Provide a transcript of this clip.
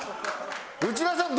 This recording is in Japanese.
内田さん